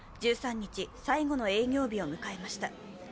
１３日、最後の営業日を迎えました。